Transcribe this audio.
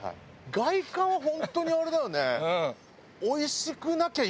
外観は本当にあれだよね。